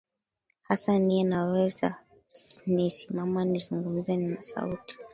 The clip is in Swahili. hasa nie naweza ni simama nizungumze nina sauti